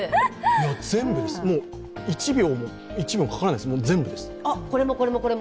全部です、１秒もかからないです、全部です。